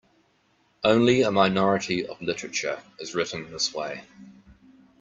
Only a minority of literature is written this way.